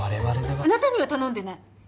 あなたには頼んでない。